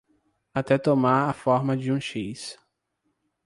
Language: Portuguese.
até tomar a forma de um X